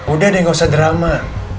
udah deh gak usah drama